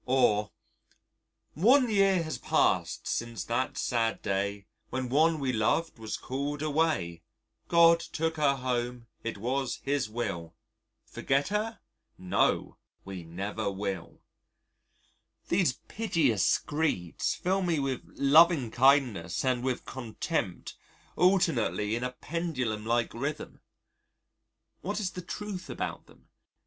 Or: "One year has passed since that sad day, When one we loved was called away. God took her home; it was His will, Forget her? No, we never will." These piteous screeds fill me with loving kindness and with contempt alternately in a pendulum like rhythm. What is the truth about them?